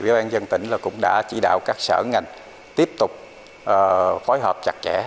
bộ an dân tỉnh cũng đã chỉ đạo các sở ngành tiếp tục phối hợp chặt chẽ